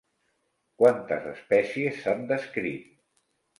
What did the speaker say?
Quantes espècies s'han descrit?